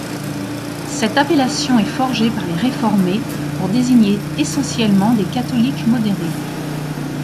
Cette appellation est forgée par les réformés pour désigner essentiellement des catholiques modérés.